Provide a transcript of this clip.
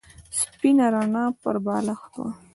سپینه رڼا پر بالښت وه.